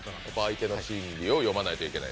相手の心理を読まないといけない。